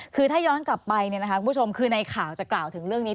คือถ้าย้อนกลับไปคุณผู้ชมคือในข่าวจะกล่าวถึงเรื่องนี้